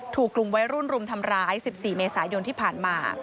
ถูกกลุ่มวัยรุ่นรุมทำร้าย๑๔เมษายนที่ผ่านมา